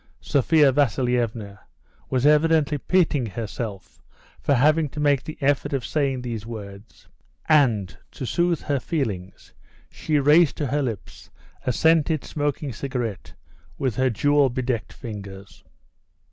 Sophia Vasilievna was evidently pitying herself for having to make the effort of saying these words; and, to soothe her feelings, she raised to her lips a scented, smoking cigarette with her jewel bedecked fingers.